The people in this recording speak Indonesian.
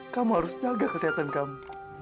kamu harus jaga kesehatan kamu